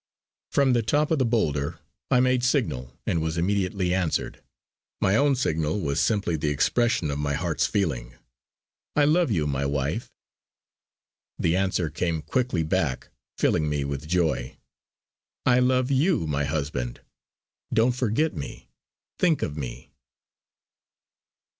From the top of the boulder I made signal and was immediately answered. My own signal was simply the expression of my heart's feeling: "I love you, my wife!" The answer came quickly back filling me with joy: "I love you, my husband! Don't forget me! Think of me!"